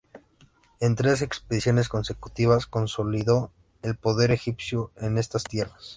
En tres expediciones consecutivas consolidó el poder egipcio en estas tierras.